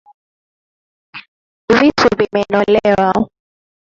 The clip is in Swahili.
Visu vimenolewa.